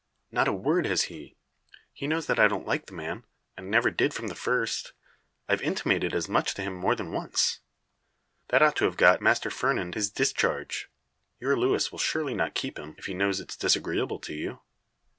"Not a word has he. He knows that I don't like the man, and never did from the first. I've intimated as much to him more than once." "That ought to have got Master Fernand his discharge. Your Luis will surely not keep him, if he knows it's disagreeable to you?"